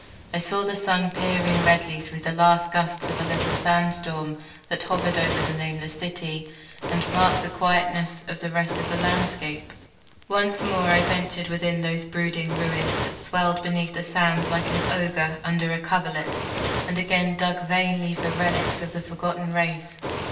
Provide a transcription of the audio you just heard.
I saw the sun peering redly through the last gusts of a little sandstorm that hovered over the nameless city, and marked the quietness of the rest of the landscape. Once more I ventured within those brooding ruins that swelled beneath the sand like an ogre under a coverlet, and again dug vainly for relics of the forgotten race.